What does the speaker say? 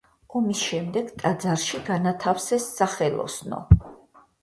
ომის შემდეგ ტაძარში განათავსეს სახელოსნო.